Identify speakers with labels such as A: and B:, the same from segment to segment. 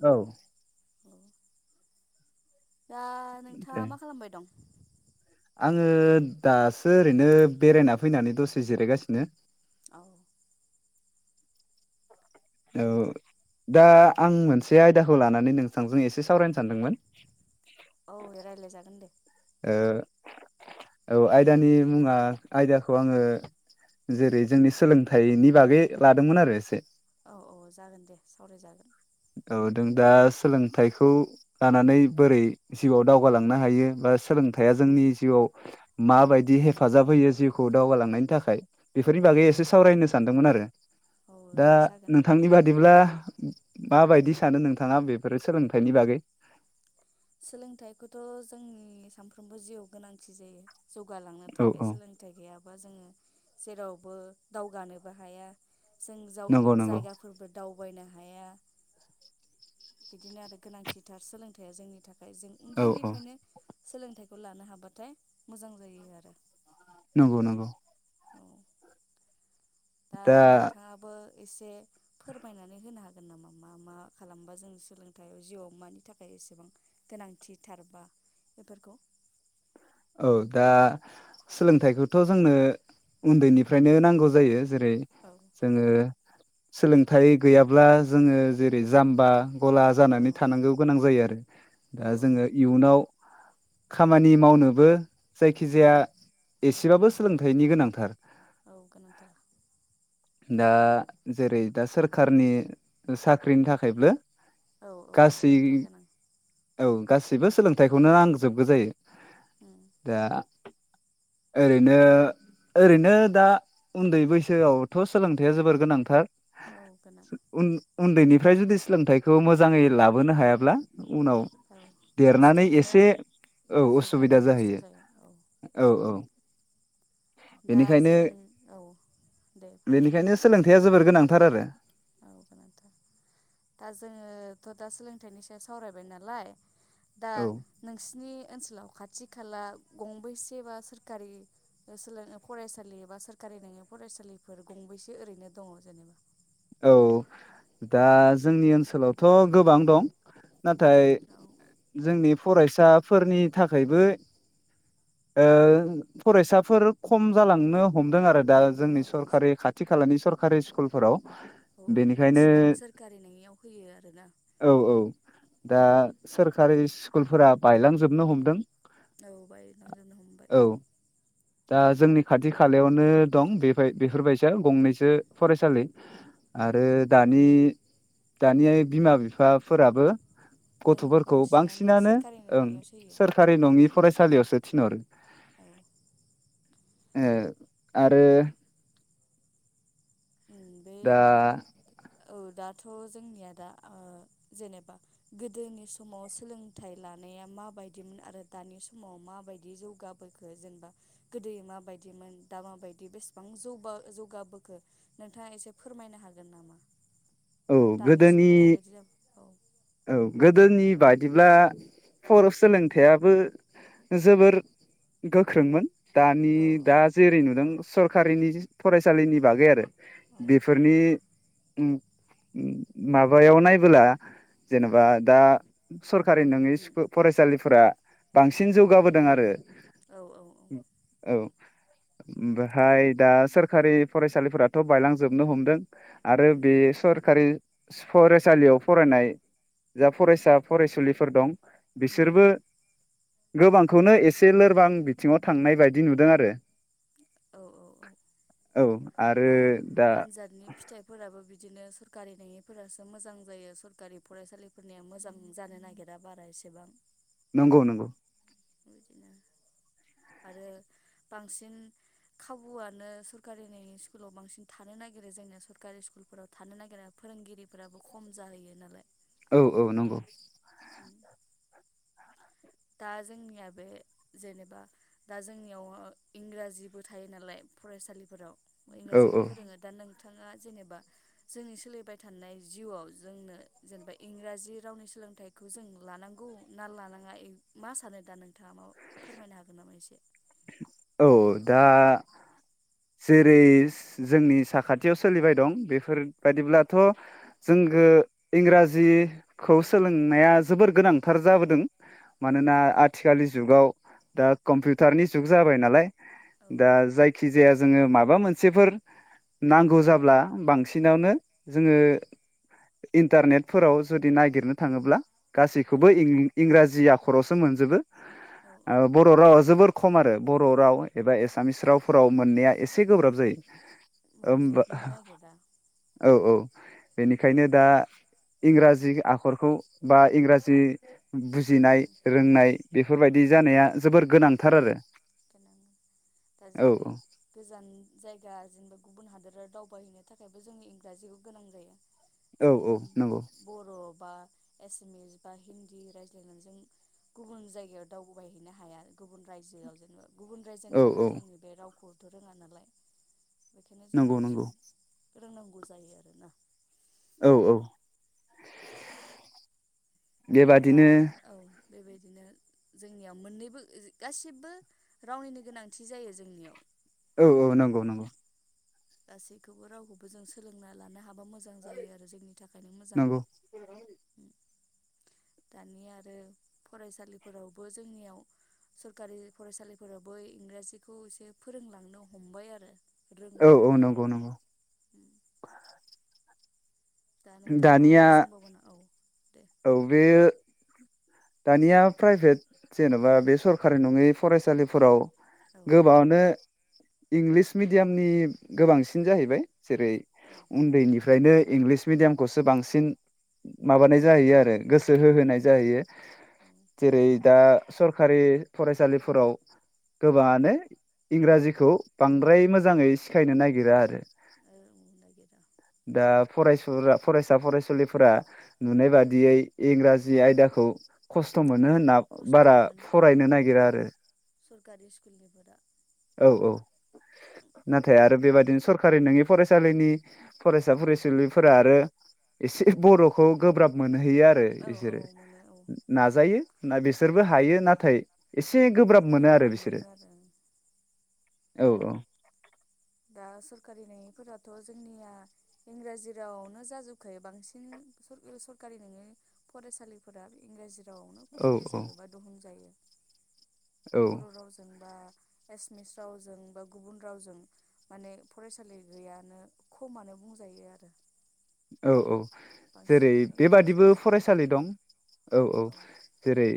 A: औ
B: औ दा
A: दे
B: नोंथाङा मा खालामबाय दं?
A: आङो दासो ओरैनो बेरायना फैनानै दसे जिरायगासिनो।
B: औ
A: औ
B: दे
A: दा आं मोनसे आयदाखौ लानानै नोंथांजों एसे सावरायनो सानदोंमोन
B: औ रायलाय जागोन दे
A: ओ औ आयदानि मुङा आयदाखौ आङो जेरै- जोंनि सोलोंथाइनि बागै लादोंमोन आरो एसे
B: औ औ जागोन दे सावरायजागोन
A: औ दों दा सोलोंथाइखौ लानानै बोरै जिउआव दावगालांनो हायो बा सोलोंथाइया जोंनि जिउआव
B: औ
A: माबायदि हेफाजाब होयो जिउखौ दावगालांनायनि थाख बेफोरनि
B: औ
A: बागै
B: औ
A: एसे सावरायनो सानदोंमोन आरो
B: औ
A: दा
B: दे जागोन
A: नोंथांनि बादिब्ला उ [inaudible] माबायदि सानो नोंथाङा बेफोरो सोलोंथाइनि बागै?
B: सोलोंथाइखौथ' जोंनि सानफ्रोमबो जिउआव गोनांथि जायो। जौगालांनो
A: औ
B: थाखाय
A: औ
B: सोलोंथाइ गैया बा जोङो जेरावबो दावगानोबो हाया जों
A: नंगौ नंगौ
B: जाव-जायगाफोरबो दाव बायनो हाया बिदिनो आरो गोनांथिथार सोलोंथाइया जोंनि फ्राय जों
A: औ औ
B: उन्दैनिफ्रायनो सोलोंथाइखौ लानो हाबाथाय मोजां जायो आरो
A: नंगौ नंगौ
B: औ दा नोंथाङाबो एसे फोरमायनानै होनो हागोन नामा मा मा खालामबा जों सोलोंथाइयाव जिउआव मानि थाखाय एसेबां गोनांथिथार बा बेफोरखौ
A: औ दा सोलोंथाइखौथ' जोंनो उन्दैनिफ्रायनो नांगौ जायो जेरै
B: औ
A: जोङो सोलोंथाइ गैयाब्ला जोंङो जेरै जाम्बा गला
B: औ
A: जानानै थानांगौ गोनां जायो आरो
B: औ
A: दा
B: औ
A: जोंङो इयुनाव खामानि मावनो बो
B: उम
A: जायखिजाया एसेबाबो सोलोंथाइनि गोनांथार
B: औ गोनांथार
A: दा जेरै दा सोरखारनि साख्रिनि थाखायबो
B: औ औ
A: गासै
B: सोलोंथाया गोनां
A: औ गासैबो सोलोंथाइखौनो नांजोबगौ जायो
B: उम
A: दा ओरैनो ओरैनो दा उन्दै बैसोआवथ' सोलोंथाइया जोबोर गोनांथार
B: औ गोनां
A: उन उन्दैनिफ्राय जुदि सोलोंथाइखौ मोजांङै लाबोनो हायाब्ला उनाव
B: औ खस्थ'
A: देरनानै
B: मोनो
A: एसे
B: आरो
A: औ असुबिद
B: जौगानायाव खस्थ' जायो औ दा
A: बेनिखायनो
B: जों औ दे बुंनाय नोंथां
A: थार आरो
B: औ दा जोङोथ' दा सोलोंथाइनि सायाव सावरायबाय नालाय दा
A: औ
B: नोंसिनि ओनसोलाव खाथि खाला गंबेसे बा सोरखारि ओसोलों फरायसालि बा सोरखारि नंङै फरायसालिफोर गंबेसे ओरैनो दंङ जेनेबा
A: औ दा जोंनि ओनसोलावथ' गोबां दं नाथाय
B: औ
A: जोंनि फरायसाफोरनि थाखायबो ओ फरायसाफोर खम जालांनो हमदों आरो दा जोंनि
B: औ
A: सरकारि खाथि खालानि सरक कारि स्कुलफोराव
B: औ
A: बेनिखायनो
B: बांसिनानो सोरखारि नङियाव होयो आरोना
A: औ औ दा सोरखारि सि स्कुलफोरा बायलांजोबनो हमदों
B: औ बायलांजोबनो हमबाय
A: औ दा जोंनि खाथि खालायावनो दं बे बाय बेफोरबायसा गंनैसो फरायसालि
B: औ
A: आरो दानि दानि बिमा बिफाफोराबो
B: बां
A: गथ'फोरखौ बांसिनानो
B: सोरखारिनि
A: ओं
B: नङियावसो होयो।
A: सोरखारि नंङि फ फरायसालियाव सो थिनहवरो
B: औ
A: ए आरो
B: उम बे
A: दा
B: औ दाथ' जोंनिया दा ओ जेनेबा गोदोनि समाव सोलोंथाइ लानाया माबायदिमोन आरो दानि समाव माबायदि जौगाबोखो जोनबा गोदोयै माबायदिमोन दा माबायदि बेसेबां जौबा जौगाबोखो नोंथांङा एसे फोरमायनो हागोन नामा
A: औ
B: दानि
A: गोदोनि
B: जुगाव माबायदि जा औ
A: औ गोदोनि बाय बिदिब्ला फर सोलोंथायाबो जोबोर गोख्रोंमोन दानि
B: औ
A: दा जेरै नुदों सरकारिनि फरायसालिनि बागै आरो
B: औ
A: बेफोरनि उम माबायाव नायबोला जेनेबा दा सरकारि नोङि
B: उम
A: स्कुल फरायसालिफो फोरा बांसिन जौगाबोदों आरो
B: औ औ-औ
A: बेहाय दा सोरखारि फरायसालिफोराथ' बायलांजोबनो हमदों आरो बे
B: उम
A: सरखारि फरायसालियाव फरायनाय जा फरायसा फरायसुलिफोर दं
B: उम
A: बिसोरबो
B: उम
A: गोबांखौनो एसे लोरबां बिथिङाव थांनाय बायदि नुदों आरो
B: औ औ औ
A: औ आरो
B: दा
A: दा
B: आनजादनि फिथाइफोराबो बिदिनो सो कारि नोङिफोरासो मोजां जायो सरकारि फरायसालिफोरनिया मोजां जानो नागिरा बारा एसेबां
A: नंगौ नंगौ
B: बिदिनो आरो बांसिन खाबुआनो सरखारि नोङि स्कुलाव बांसिन थानो नागिरो जोंनिया सरकारि स्कुलफोराव थानो नागिरा फोरोंगिरिफोराबो खम जाहैयो नालाय
A: औ औ नंगौ
B: दा जोंनिया बे जेनेबा दा जोंनियाव ओ इंराजिबो थायो नालाय फरायसालिफोराव
A: औ
B: इंराजिबो
A: औ
B: फोरोङो दा नों थाङा जेनेबा जोंनि सोलिबाय थानाय जिउआव जोंनो जेनेबा इंराजि रावनि सोलोंथाइखौ जों लानांगौ ना लानाङा मा सानो दा नोंथाङा माबा फोरमायनो हागोन नामा एसे
A: औ औ दा जेरै जोंनि साखाथियाव सोलिबाय दं बेफोरबादिब्लाथ' जोंगो इंराजि खौ सोलोंनाया जोबोर गोनां थार जाबोदों
B: औ
A: मानोना
B: गोनां
A: आथिखालनि जुगाव दा कम्पिउटारनि जुग जाबाय नालाय
B: औ
A: दा
B: औ
A: जायखि जोङो माबा मोनसेफोर नांगौ जाब्ला
B: उम
A: बांसिनावनो जोङो इन्टारनेटफोराव जुदि नागिरनो
B: औ
A: थाङोब्ला
B: औ
A: गासैखौबो आं इंराजि आख खर'सो मोनजोबो।
B: औ
A: ओ बर' रावा जोबोर। खम आरो बर' राव एबा एसामिस रावफोर। आव मोननाया एसे गोब्राब जायो। होनबा
B: मोनजोबनो नागिरा
A: औ औ
B: उम
A: बेनिखायनो दा। इंराजि आखरखौ बा इंराजि। बुजिनाय
B: उम
A: रोंनाय बेफ फोरबायदि जानाया जोबोर गोनांथार आरो।
B: गोनां दा
A: औ
B: जेरै गोजान जायगा जेनेबा गुबुन हादोराव दाव बोहैनो थाखायबो जोंङो इंराजिखौ गोनां जायो।
A: औ
B: जों
A: औ नंगौ
B: बर' बा। एसामिस बा हिन्दी रायज्लायनानै जों गुबुन जायगायाव दावबोबायहैनो हाया गुबुन रायजोआव जोङो। गुबुन
A: औ
B: रायजोनिफ्रा
A: औ
B: जोंनि बे रावखो थ रोङा नालाय। बेखायनो जों
A: नंगौ
B: इंलिसखौ।
A: नंगौ
B: फोरोंनांगौ जायो आरोना।
A: औ औ।
B: दा
A: बेबादिनो
B: औ। बेबायदिनो जोंनियाव मोननैबो ओ गासिबो रावनिनो गोनांथि जायो जोंनियाव
A: औ औ नंगौ नंगौ।
B: गासैखौबो रावखौबो जों सोलोंना लानो हाबा मोजां जायो आरो जोंनि थाखायनो मोजां।
A: नंगौ
B: दानिया आरो फरायसालिफोरावबो जोंनियाव सरखारि फरायसालिफोरावबो इंराजिखौ एसे फोरोंलांनो हमबाय आरो।
A: औ
B: रोंबाय
A: औ
B: माने
A: नंगौ नंगौ।
B: दा नोंथाङा
A: दानिया
B: माबाफोर सोंबावगोना औ। दे
A: औ बेयो दानिया प्राइभेट जेनबा बे सरकारि नङै फरायसालिफोराव
B: औ
A: गोबाङानो इंलिस मिडियामनि गोबांसिन जाहैबाय। जेरै
B: औ
A: उन्दैनिफ्रायनो इंलिस मिडियामखौसो बांसिन माबानाय
B: फोरोङो
A: जाहैयो आरो गोसो
B: औ
A: होहोनाय जाहैयो।
B: औ
A: जेरै दा सरखारि फरायसालिफोराव गोबाङानो इंराजिखौ बांद्राय मोजाङै सिखायनो नागिरा आरो।
B: रोंनो नागिरा
A: दा। फरायसुला फरायसा फरायसुलिफोरा नुनाय बादियै इंराजि आयदाखौ खस्थ मो। होनना
B: खस्थ'
A: बारा फरायनो नागिरा आरो।
B: खारि स्कुलनिफोरा
A: औ औ नाथाय आरो बेबादिनो सरखारि नङि फरायसालिनि फरायसा फरायसुलिफोरा आरो एसे बरखौ गोब्राब मोन मोनहैयो आरो
B: औ औ
A: बिसोरो
B: मोनो औ
A: नाजायो ना बिसोरबो हायो नाथाय एसे गोब्राब मोनो आरो बिसोरो
B: मोनो आरो
A: औ औ
B: दा सरकारि नङिफोराथ जोंनिया इंराजि रावआवनो जाजोबखायो बांसिन सरकारि नङि फरायसालिफोरा इंराजि रावनो
A: औ
B: खुलि जायो
A: औ
B: बा दहुन जायो
A: औ
B: बर' रावजोंबा एसमिस रावजों बा गुबुन रावजों माने फरायसालि गैयानो खमानो बुंजायो आरो
A: औ औ जेरै
B: बांसिनानो
A: बेबादिबो
B: इंराजिखौसो
A: फरायसालि दं औ औ जेरै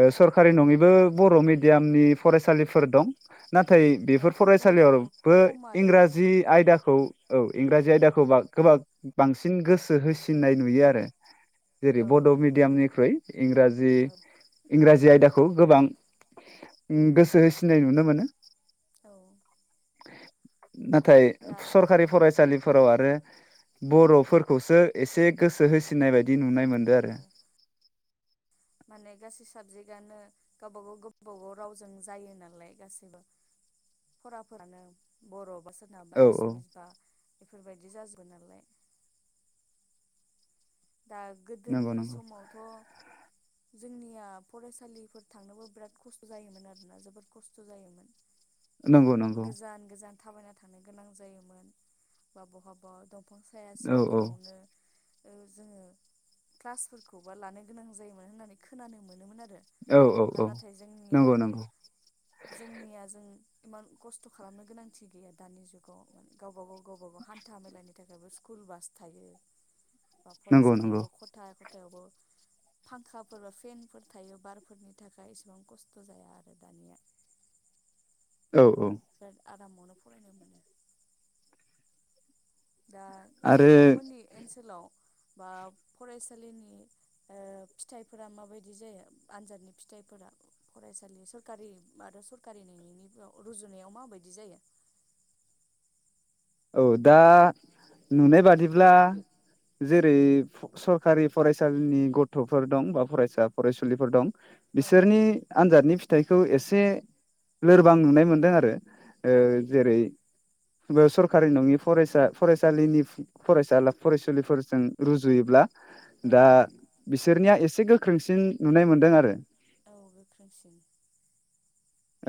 A: ओ
B: औ
A: सरखारि नङैबो बर' मिडियामनि फरायसालिफोर दं नाथाय
B: औ
A: बेफोर
B: दंबाबो
A: फरायसालियावबो
B: खम आरो
A: इंराजि आयदाखौ औ इंराजि आयदाखौ बा गोबां बांसिन गोसो होसिननाय नुयो आरो जेरै
B: औ
A: बड' मिडियामनिख्रुइ इंराजि
B: औ
A: इंराजि आयदाखौ गोबां गोसो होसिनाय नुनो मोनो
B: औ
A: नाथाय
B: दा
A: सरखारि
B: औ
A: फरायसालिफोराव आरो बर'फोरखौसो एसे गोसो होसिनाय बायदि नुनाय मोनदो
B: औ
A: आरो
B: माने गासै साबजेक्टआनो गावबा गाव गावबा गाव रावजों जायो नालाय गाैबो फराफोरानो बर' सोरनाबा
A: औ औ
B: एसमिस बा बेफोरबायदि जाजोबो नालाय दा
A: नंगौ
B: गोदोनि
A: नंगौ
B: समावथ' जोंनिया फरायसालिफोर थांनोबो बिराद खस्थ' जायोमोन आरोना जोबोद खस्थ' जायोमोन
A: नंगौ नंगौ
B: गोजान गोजान थाबायना थांनो गोनां जायोमोन बा बहाबा दफां साया
A: औ
B: सिंफोरावनो ओ जोङो क्लासफोरखौबा लानो गोनां जायोमोन होननानै खोनानो मोनोमोन आरो
A: औ औ
B: दा
A: औ
B: नाथाय जोंनिया
A: नंगौ नंगौ
B: जोंनिया जों इमान खस्थ' खालामनो गोनांथि गैया दानि जुगाव माने गावबा गाव गावबा गाव हान्था मेलानि थाखायबो स्कुल बास थायो बा
A: नंगौ नंगौ
B: फरायसालियावबो खथा खथायावबो फांखाफोर बा फेनफोर थायो बारफोरनि थाखाय एसेबां खस्त जाया आरो दानिया
A: औ औ
B: रामावनो फरायनो मोनो दा
A: आरो
B: नोंथांमोननि ओनसोलाव बा फरायसालिनि ओ फिथाइफोरा माबायदि जायो आनजादनि फिथाइफोरा फरायसालि सरकारि आरो सरकारि नोङिनि रुजुनायाव माबायदि जायो
A: औ दा नुनाय बादिब्ला जेरै फु सरकारि फरायसालिनि गथ'फोर दं बा फरायसा फरायसुलिफोर दं
B: औ
A: बिसोरनि आनजादनि फिथाइ खौ एसे लोरबां नुनाय मोनदों आरो
B: औ
A: ओ
B: औ
A: जेरै बेसर खारि नङि फरायसा फरायसालिनि फरायसाला फरायसुलिफोरजों रुजुयोब्ला
B: औ
A: दा बिसोरनिया एसे गोख्रोंसिन नुनाय मोन्दों आरो
B: औ गोख्रोंसिन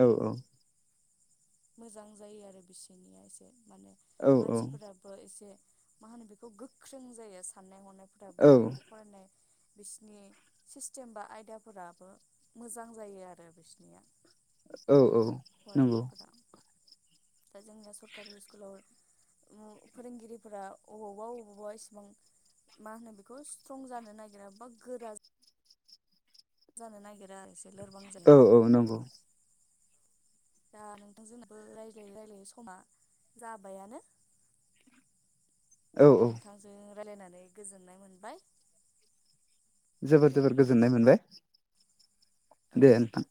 A: औ औ
B: मोजां जायो आरो बिसिनिया एसे माने
A: औ
B: मानसिफोराबो एसे मा होनो बेखौ गोख्रों जायो साननाय हनाय फोराबो
A: औ
B: आरो फरायनाय बिसिनि सिस्टेम बा आयदाफोराबो मोजां जायो आरो बिसनिया
A: औ औ नंगौ
B: दा जोंनिया सरकारि स्कुलाव उ फोरोंगिरिफोरा अबावबा अबावबा इसिबां मा होनो बेखौ स्ट्रं जानो नागिरा बा गोरा जानो नागिरा आरोस
A: [unintelligible] औ औ नंगौ
B: दा नोंथांजोंबो रायज्लायै रायलायै समा जाबायानो
A: औ औ
B: नोंथांजों रायलायनानै गोजोन्नाय मोनबाय
A: जोबोर
B: दे
A: जोबोर
B: होमबा
A: गोजोननाय मोनबाय
B: औ
A: दे नोंथां